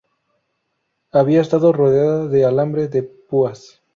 Había estado rodeada de alambre de púas.